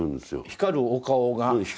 光るお顔が。